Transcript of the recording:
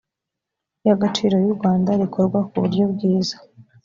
y agaciro y u rwanda rikorwa ku buryo bwiza